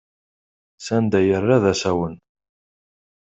S anda yerra d asawen.